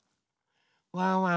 ワンワン